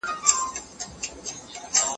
آیا انټرنیټ ستا په شخصي وده کې مرسته کړې ده؟